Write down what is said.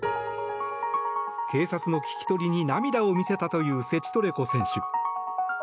警察の聞き取りに涙を見せたというセチトレコ選手。